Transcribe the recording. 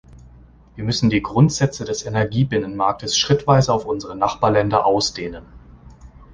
Wir müssen die Gründsätze des Energiebinnenmarktes schrittweise auf unsere Nachbarländer ausdehnen.